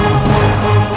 aku sudah berhenti